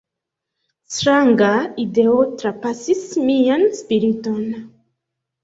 Stranga ideo trapasis mian spiriton.